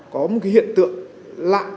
có một hiện tượng lạ